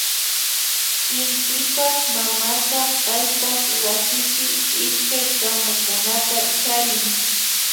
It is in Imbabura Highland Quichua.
Intipak mamaka paypak wasipi ishkay kamukunata charin